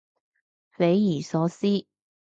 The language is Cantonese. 匪夷所思